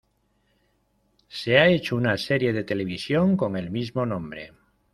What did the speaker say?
Se ha hecho una serie de televisión con el mismo nombre.